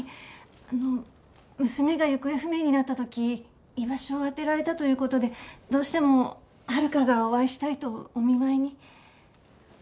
あの娘が行方不明になった時居場所を当てられたという事でどうしても遥香がお会いしたいとお見舞いに。